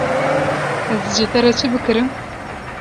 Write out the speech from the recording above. Ez ji te re çi bikirim.